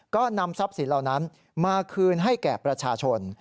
ก็นำทรัพย์สินเหล่านั้นมาคืนให้แก่ประชาชน